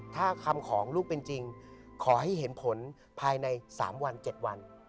ถ้าคำของลูกเป็นจริงขอให้เห็นผลภายใน๓วัน๗วัน